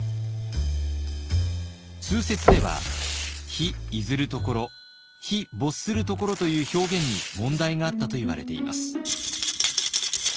通説では「日出ずる処」「日没する処」という表現に問題があったといわれています。